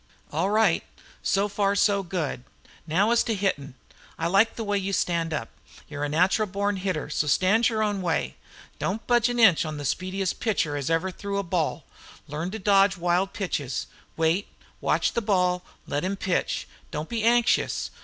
"All right. So far so good. Now as to hittin'. I like the way you stand up. You 're a natural born hitter, so stand your own way. Don't budge an inch for the speediest pitcher as ever threw a ball. Learn to dodge wild pitches. Wait, watch the ball. Let him pitch. Don't be anxious.